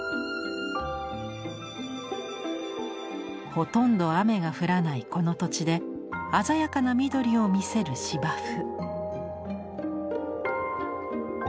ほとんど雨が降らないこの土地で鮮やかな緑を見せる芝生。